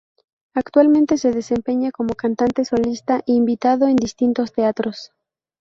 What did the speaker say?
Actualmente se desempeña como cantante solista invitado en distintos teatros.